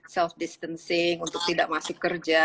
self distancing untuk tidak masuk kerja